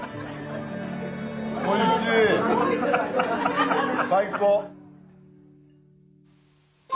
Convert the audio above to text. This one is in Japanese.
おいしい最高！